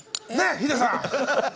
ヒデさん！